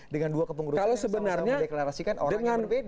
dengan dua kepengurusan yang sama sama mendeklarasikan orang yang berbeda